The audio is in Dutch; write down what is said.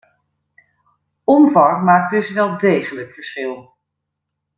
Omvang maakt dus wel degelijk verschil.